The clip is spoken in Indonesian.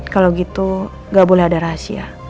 kalau gitu nggak boleh ada rahasia